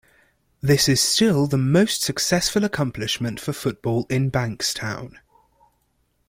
This still is the most successful accomplishment for football in Bankstown.